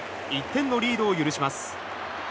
１点のリードを許します。